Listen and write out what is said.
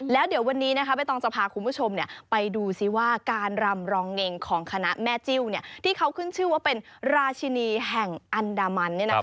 แล้วเดี๋ยววันนี้ใบตองจะพาคุณผู้ชมไปดูซิว่าการรำรองเงงของคณะแม่จิ้วที่เขาขึ้นชื่อว่าเป็นราชินีแห่งอันดามัน